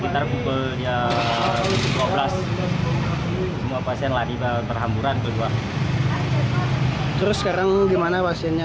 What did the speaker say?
terus sekarang gimana pasiennya